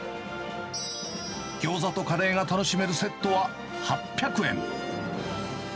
ギョーザとカレーが楽しめるセットは８００円。